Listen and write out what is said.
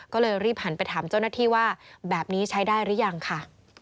ก็เลยรีบหันไปถามเจ้าหน้าที่ว่าแบบนี้ใช้ได้หรือยังค่ะ